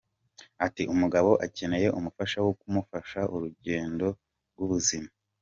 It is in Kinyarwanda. Ati “Umugabo akeneye umufasha wo kumufasha urugendo rw’ubuzima.